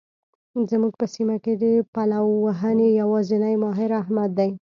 زموږ په سیمه کې د پلوهنې يوازنی ماهر؛ احمد دی.